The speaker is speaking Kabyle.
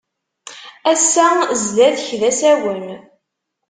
Ass-a zdat-k d asawen.